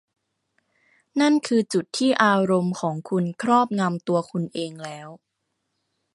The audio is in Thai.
นั่นคือจุดที่อารมณ์ของคุณครอบงำตัวคุณเองแล้ว